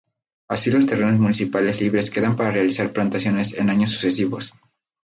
Así los terrenos municipales libres quedan para realizar plantaciones en años sucesivos.